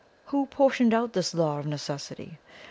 Who portioned out this Law of Necessity?